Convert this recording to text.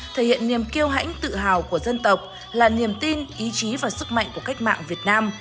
thể hiện niềm kiêu hãnh tự hào của dân tộc là niềm tin ý chí và sức mạnh của cách mạng việt nam